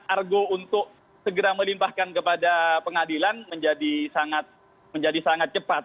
argo untuk segera melimpahkan kepada pengadilan menjadi sangat cepat